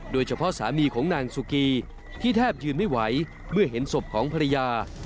สามีของนางสุกีที่แทบยืนไม่ไหวเมื่อเห็นศพของภรรยา